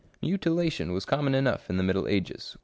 Mutilation was common enough in the middle ages.